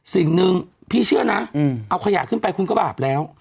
สิ่งหนึ่งพี่เชื่อนะเอาขยะขึ้นไปคุณก็บาปแล้ว